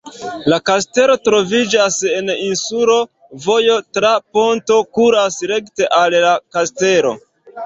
La kastelo troviĝas en insulo, vojo tra ponto kuras rekte al la kastelo.